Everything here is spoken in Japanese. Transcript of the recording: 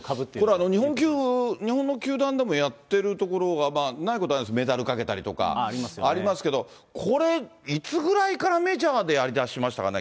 これは日本の球団でもやってるところがまあ、ないことはないです、メダルかけたりとかありますけど、これ、いつぐらいからメジャーでやりだしましたかね？